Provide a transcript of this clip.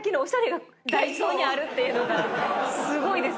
すごいですね。